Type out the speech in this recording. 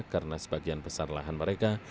karena sebagian besar lahan mereka